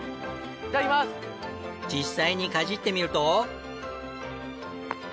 実際にかじってみると。